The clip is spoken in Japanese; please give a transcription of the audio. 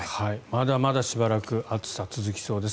まだまだしばらく暑さが続きそうです。